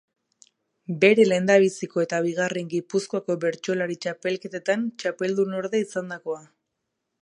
Bere lehendabiziko eta bigarren Gipuzkoako Bertsolari Txapelketetan txapeldunorde izandakoa.